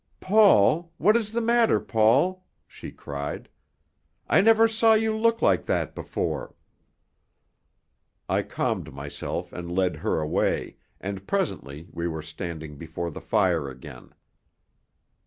"Paul! What is the matter, Paul?" she cried. "I never saw you look like that before." I calmed myself and led her away, and presently we were standing before the fire again.